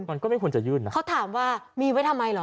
มันก็ไม่ควรจะยื่นนะเขาถามว่ามีไว้ทำไมเหรอ